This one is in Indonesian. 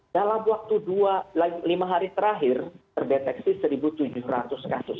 dalam waktu lima hari terakhir terdeteksi satu tujuh ratus kasus